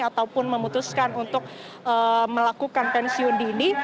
ataupun memutuskan untuk melakukan pensiun dini